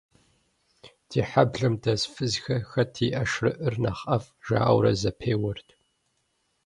Ди хьэблэм дэс фызхэр, «хэт и ӏэшырыӏыр нэхъ ӏэфӏ» жаӏэурэ зэпеуэрт.